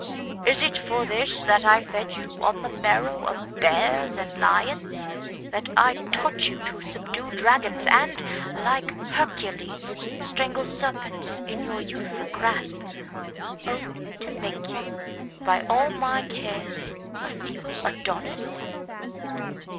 Is it for this that I fed you on the marrow of bears and lions, that I taught you to subdue dragons, and, like Hercules, strangle serpents in your youthful grasp, only to make you, by all my cares, a feeble Adonis?